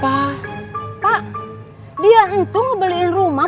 pak dia itu ngebeliin rumah buat acil sama warno kagak diberi rumahnya